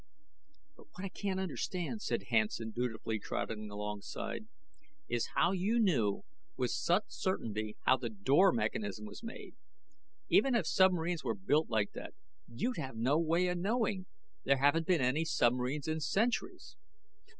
"But what I can't understand," said Hansen, dutifully trotting alongside, "is how you knew with such certainty how the door mechanism was made. Even if submarines were built like that, you'd have no way of knowing. There haven't been any submarines in centuries."